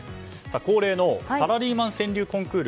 恒例のサラリーマン川柳コンクール